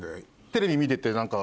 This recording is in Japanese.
テレビ見てて。